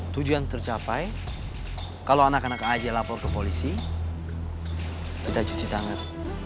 tujuan tercapai kalau anak anak aja lapor ke polisi kita cuci tangan